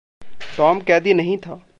Tom कैदी नहीं था।